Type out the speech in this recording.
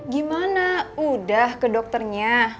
gimana udah ke dokternya